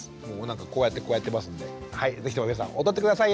こうやってこうやってますんではい是非とも皆さん踊って下さい。